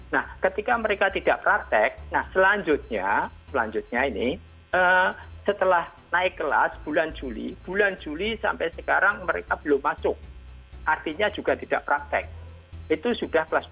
nah ketika mereka tidak praktek nah selanjutnya selanjutnya ini setelah naik kelas bulan juli bulan juli sampai sekarang mereka belum masuk artinya juga tidak praktek itu sudah kelas dua